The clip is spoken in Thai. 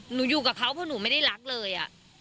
อยู่กับเขาเพราะหนูไม่ได้รักเลย